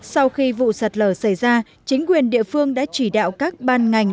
sau khi vụ sạt lở xảy ra chính quyền địa phương đã chỉ đạo các ban ngành